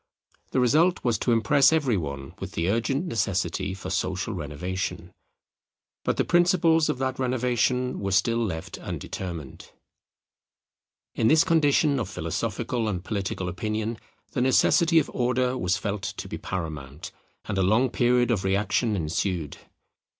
The result was to impress every one with the urgent necessity for social renovation; but the principles of that renovation were still left undetermined. [Counter revolution from 1794 to 1830] In this condition of philosophical and political opinion, the necessity of Order was felt to be paramount, and a long period of reaction ensued.